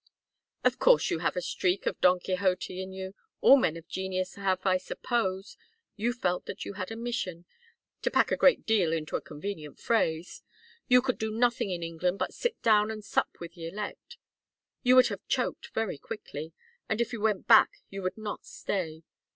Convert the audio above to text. "Of course you have a streak of Don Quixote in you. All men of genius have, I suppose. You felt that you had a mission to pack a great deal into a convenient phrase. You could do nothing in England but sit down and sup with the elect. You would have choked very quickly. And if you went back you would not stay.